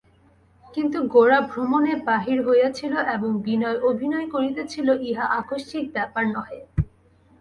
কিন্তু গোরা ভ্রমণে বাহির হইয়াছিল এবং বিনয় অভিনয় করিতেছিল ইহা আকস্মিক ব্যাপার নহে।